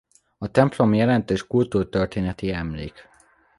A templom jelentős kultúrtörténeti emlék.